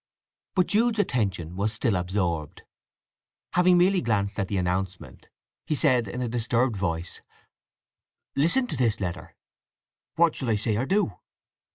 But Jude's attention was still absorbed. Having merely glanced at the announcement he said in a disturbed voice: "Listen to this letter. What shall I say or do?"